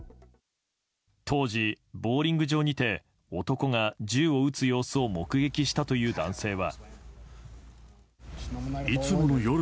当時、ボウリング場にいて男が銃を撃つ様子を目撃したという男性は。